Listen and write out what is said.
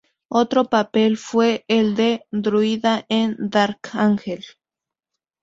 Otro papel fue el de Druida en "Dark Angel".